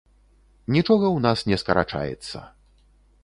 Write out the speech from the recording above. Нічога ў нас не скарачаецца!